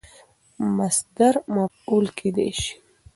مصدر مفعول کېدای سي.